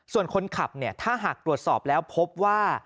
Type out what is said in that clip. ส่วนคนขับเนี่ยถ้าหากตรวจสอบแล้วพบว่า